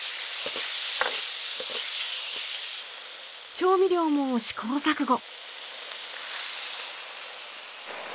調味料も試行錯誤。